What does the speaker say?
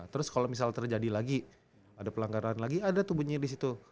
terus kalau misalnya terjadi lagi ada pelanggaran lagi ada tuh bunyinya di situ